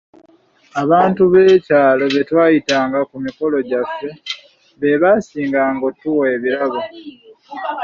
Abantu b’ekyalo be twayitanga ku mikolo gyaffe, be baasinganga okutuwa ebirabo.